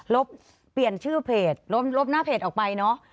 เปลี่ยนชื่อเพจลบหน้าเพจออกไปเนอะ